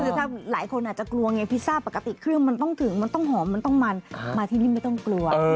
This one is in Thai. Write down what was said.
คือถ้าหลายคนอาจจะกลัวไงพิซซ่าปกติเครื่องมันต้องถึงมันต้องหอมมันต้องมันมาที่นี่ไม่ต้องกลัว